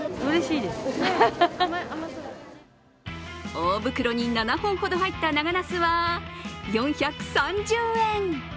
大袋に７本ほど入った長なすは４３０円。